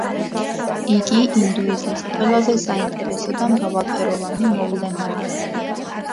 იგი ინდუიზმის ყველაზე საინტერესო და მრავალფეროვანი მოვლენაა.